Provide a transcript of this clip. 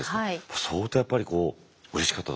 相当やっぱりこううれしかっただろうね。